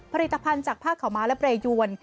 ผลิตภัณฑ์จากผ้าขาวม้าและเปรยวน